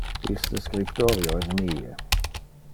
Iste scriptorio es mie.